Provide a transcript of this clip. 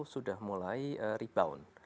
sudah mulai rebound